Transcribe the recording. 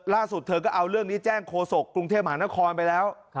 เธอก็เอาเรื่องนี้แจ้งโฆษกรุงเทพมหานครไปแล้ว